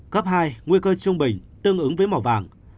cấp hai nguy cơ trung bình tương ứng với màu vàng